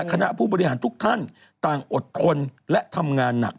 คณะผู้บริหารทุกท่านต่างอดทนและทำงานหนัก